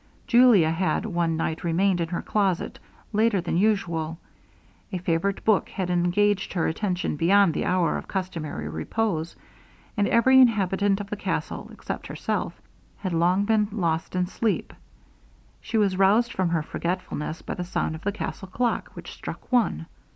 Julia had one night remained in her closet later than usual. A favorite book had engaged her attention beyond the hour of customary repose, and every inhabitant of the castle, except herself, had long been lost in sleep. She was roused from her forgetfulness, by the sound of the castle clock, which struck one.